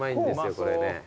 これね。